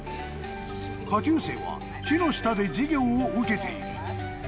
下級生は木の下で授業を受けている。